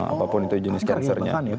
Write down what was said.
apapun itu jenis cancernya